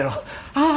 ああ！